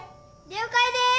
了解です！